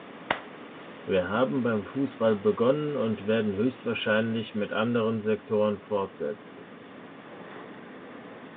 Wir haben beim Fußball begonnen und werden höchstwahrscheinlich mit anderen Sektoren fortsetzen.